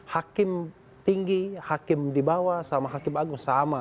hakim tinggi hakim di bawah sama hakim agung sama